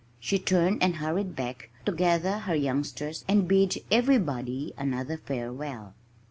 She turned and hurried back, to gather her youngsters and bid everybody another farewell.